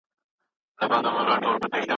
روحانیونو خلکو ته د ښه ژوند کولو لاري ورښودلي.